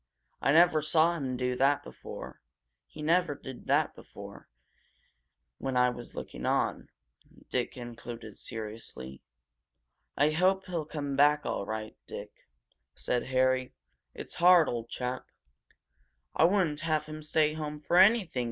I never saw him do that before he never did that before, when I was looking on," Dick concluded seriously. "I hope he'll come back all right, Dick," said Harry. "It's hard, old chap!" "I wouldn't have him stay home for anything!"